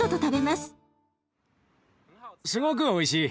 すごくおいしい。